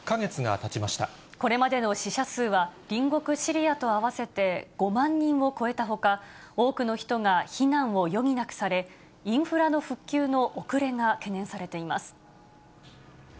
これまでの死者数は、隣国シリアと合わせて５万人を超えたほか、多くの人が避難を余儀なくされ、インフラの復旧の遅れが懸念されています。